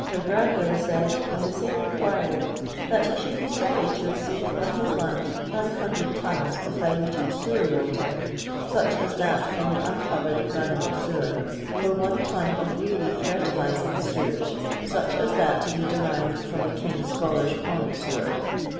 409 Dr. Granyille said, on the same inquiry, that he should be sorry to receive on his land 500 tons of diluted sewer water (such as that from the un covered Banelagh Sewer) for 1 ton of really fer tilizing sewage, such as that to be derived from the King's Scholars' Fond Sewer.